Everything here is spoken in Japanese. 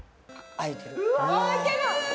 開いてる！